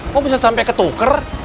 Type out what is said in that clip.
kok bisa sampe ke tuker